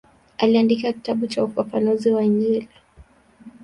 Aliandika kitabu cha ufafanuzi wa Injili.